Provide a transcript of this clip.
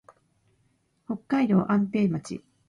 北海道安平町